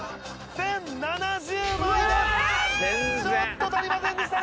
ちょっと足りませんでしたね